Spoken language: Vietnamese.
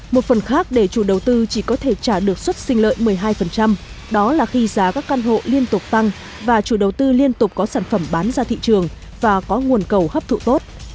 một phần khác để chủ đầu tư chỉ có thể trả được suất sinh lợi một mươi hai đó là khi giá các căn hộ liên tục tăng và chủ đầu tư liên tục có sản phẩm bán ra thị trường và có nguồn cầu hấp thụ tốt